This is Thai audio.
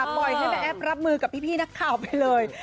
ปล่อยให้แม่แอฟรับมือกับพี่นักข่าวไปเลย